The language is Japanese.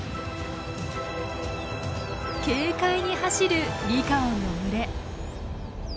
軽快に走るリカオンの群れ。